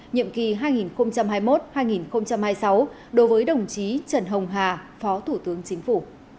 nhiệm kỳ hai nghìn hai mươi một hai nghìn hai mươi sáu đối với đồng chí trần hồng hà phó thủ tướng chính phủ